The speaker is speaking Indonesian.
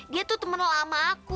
dia tuh temen lama aku